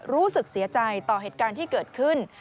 รู้สึกเสียใจต่อเหตุการณ์ที่เกิดขึ้น